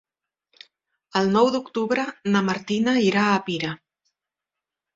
El nou d'octubre na Martina irà a Pira.